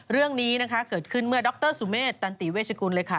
เรื่องนี้นะคะเกิดขึ้นเมื่อดรสุเมษตันติเวชกุลเลยค่ะ